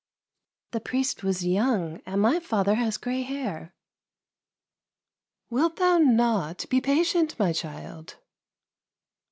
" The priest was young, and my father has grey hair." " Wilt thou not be patient, my child